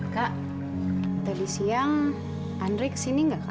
kak dari siang andri kesini gak kak